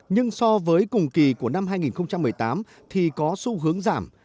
nhưng so với cùng kỳ của năm hai nghìn một mươi tám thì có xu hướng giảm